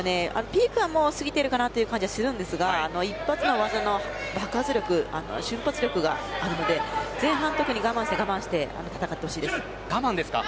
ピークはもう過ぎているかなという感じがしますが一発の技の爆発力瞬発力があるので前半、特に我慢して我慢して戦ってほしいです。